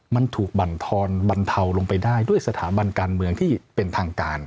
มันถูกบรรทอนบรรเทาลงไปได้ด้วยสถาบันการเมืองที่เป็นทางการ